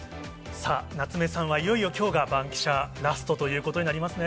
さあ、夏目さんはいよいよ、きょうがバンキシャ、ラストということになりますね。